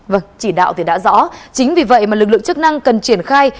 vâng chỉ đạo thì đã rõ chính vì vậy mà lực lượng chức năng cần triển khai